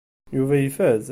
Yuba ifaz.